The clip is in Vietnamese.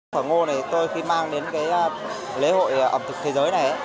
phở ngô này tôi khi mang đến cái lễ hội ẩm thực thế giới này